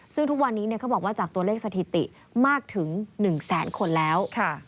ซึ่งทุกวันนี้เขาบอกว่าจากตัวเลขสถิติมากถึง๑แสนคนแล้ว